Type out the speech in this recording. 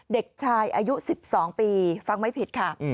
เด็กชายอายุ๑๒ปีฟังไม่ผิดค่ะ